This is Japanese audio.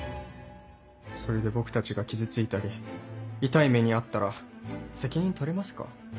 それで僕たちが傷ついたり痛い目に遭ったら責任取れますか？